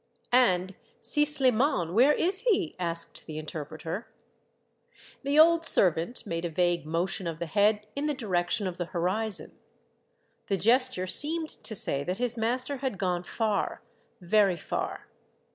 " And Si Shman, where is he ?" asked the inter preter. The old servant made a vague motion of the head in the direction of the horizon. The gesture seemed to say that his master had gone far, very far.